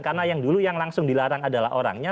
karena yang dulu yang langsung dilarang adalah orangnya